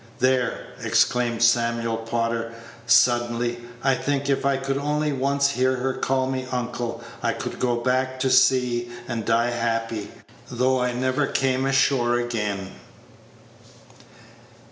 There!" exclaimed Samuel Prodder, suddenly, "I think, if I could only once hear her call me uncle, I could go back to sea and die happy, though I never came ashore again."